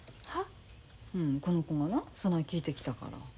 この子がなそない聞いてきたから。